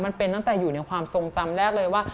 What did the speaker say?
มันเป็นตั้งแต่อยู่ในความทรงจำแรกเลยว่า